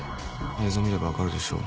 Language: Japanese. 「映像見れば分かるでしょ。